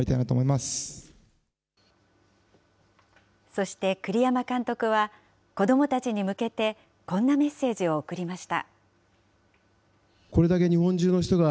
そして、栗山監督は子どもたちに向けて、こんなメッセージを送りました。